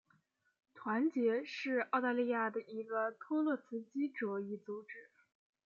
团结是澳大利亚的一个托洛茨基主义组织。